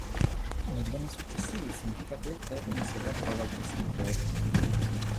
Negli anni successivi il significato del termine si allargò ad altri settori.